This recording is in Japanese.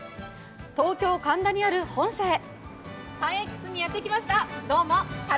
東京・神田にある本社へ。